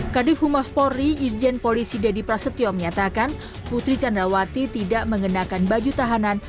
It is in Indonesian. kadif humaf porri irjen polisi dedy prasetyo menyatakan putri candrawati tidak mengenakan baju tahanan